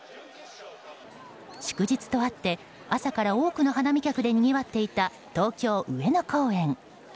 祝日とあって、朝から多くの花見客でにぎわっていた東京・上野公園。